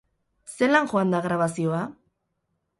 Zelan joan da grabazioa?